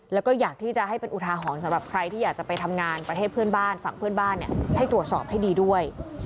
แล้วก็อยากที่จะให้เป็นอุทาหรณ์สำหรับใครที่อยากจะไปทำงานประเทศเพื่อนบ้านฝั่งเพื่อนบ้านให้ตรวจสอบให้ดีด้วย